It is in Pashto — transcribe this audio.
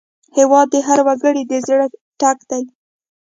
هېواد د هر وګړي د زړه ټک دی.